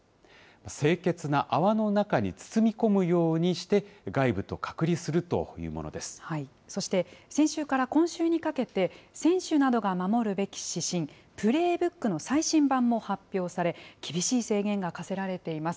清潔な泡の中に包み込むようにして、そして、先週から今週にかけて、選手などが守るべき指針、プレーブックの最新版も発表され、厳しい制限が課せられています。